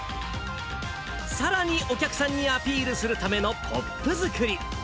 さらにお客さんにアピールするためのポップ作り。